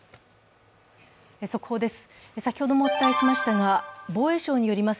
速報です。